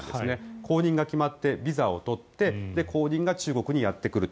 後任が決まってビザを取って後任が中国にやってくると。